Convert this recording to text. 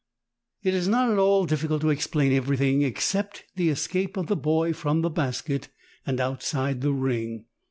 It is not at all difficult to explain everything except the escape of the boy from the basket and outside the ring.